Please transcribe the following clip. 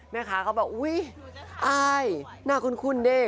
แม่คะเขาบอกอุ๊ยอายหน้าคุ้นนี่